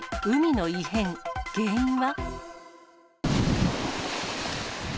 海の異変、原因は？